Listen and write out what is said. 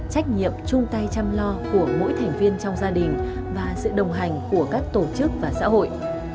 trách nhiệm chung tay chăm lo của mỗi thành viên trong gia đình và sự đồng hành của các tổ chức và xã hội